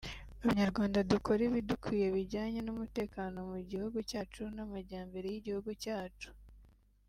Abanyarwanda dukore ibidukwiye bijyanye n’umutekano mu gihugu cyacu n’amajyambere y’igihugu cyacu